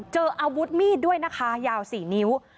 เจออาวุธมีดด้วยนะคะยาว๔นิ้ว